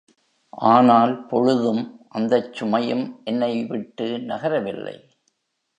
ஆனால் பொழுதும் அந்தச் சுமையும் என்னைவிட்டு நகரவில்லை.